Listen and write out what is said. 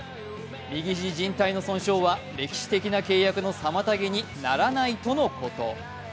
右肘じん帯の損傷は歴史的な契約の妨げにならないとのこと。